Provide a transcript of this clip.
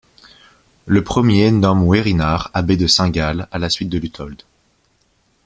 Le premier nomme Werinhar abbé de Saint-Gall à la suite de Lutold.